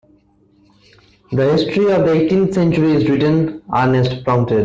The history of the eighteenth century is written, Ernest prompted.